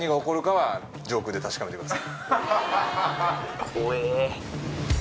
はい。